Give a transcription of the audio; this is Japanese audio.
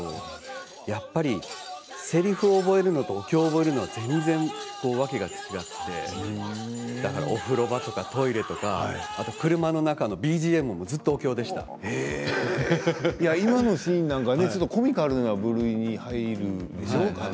やっぱりせりふを覚えるのとお経を覚えるのは全然わけが違ってお風呂場とか、車の中のＢＧＭも今のシーンなんかコミカルの部類に入るでしょ。